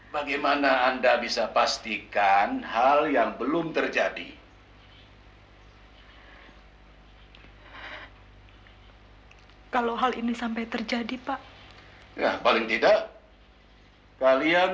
kesalahan apapun yang pernah mereka lakukan